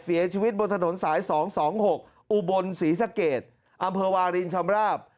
เสียชีวิตบนถนนสาย๒๒๖อุบลศรีสะเกดอำเภอวาลินชำราบ